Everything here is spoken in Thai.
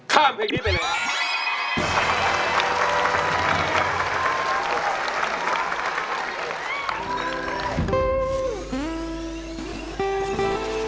ค่ะเผ็ดดีกว่าเลยครับ